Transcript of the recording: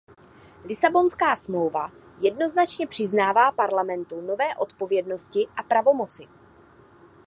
Lisabonská smlouva jednoznačně přiznává Parlamentu nové odpovědnosti a pravomoci.